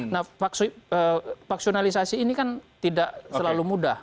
nah paksionalisasi ini kan tidak selalu mudah